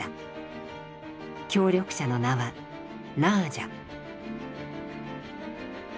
協力者の名はナージャ。